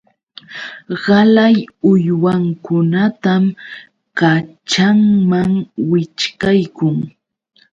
Qalay uywankunatam kaćhanman wićhqaykun.